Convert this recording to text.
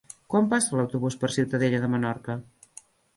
Quan passa l'autobús per Ciutadella de Menorca?